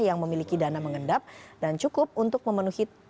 yang memiliki dana mengendap dan cukup untuk memenuhi